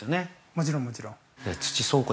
◆もちろん、もちろん。